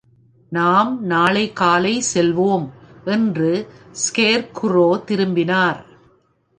"நாம் நாளை காலை செல்வோம்," என்று ஸ்கேர்குரோ திரும்பினார்.